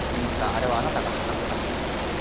あれはあなたが履かせたものです。